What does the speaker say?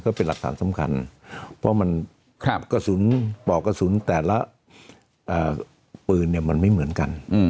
เป็นหลักฐานสำคัญเพราะมันกระสุนปอกกระสุนแต่ละปืนมันไม่เหมือนกัน